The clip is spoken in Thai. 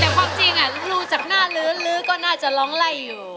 แต่ความจริงดูจากหน้าลื้อก็น่าจะร้องไล่อยู่